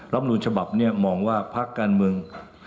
รับรูปฉบับเนี่ยมองว่าพักการเมือง